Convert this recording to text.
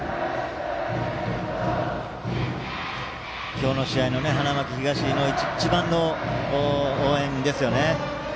今日の試合の花巻東の一番の応援ですよね。